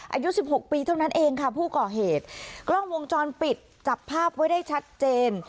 อายุสิบหกปีเท่านั้นเองค่ะผู้ก่อเหตุกล้องวงจรปิดจับภาพไว้ได้ชัดเจน